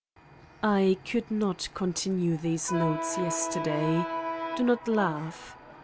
I could not continue these notes yesterday. Do not laugh